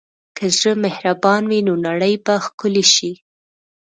که زړه مهربان وي، نو نړۍ به ښکلې شي.